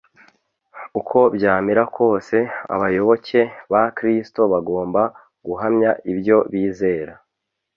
uko byamera kose, abayoboke ba kristo bagomba guhamya ibyo bizera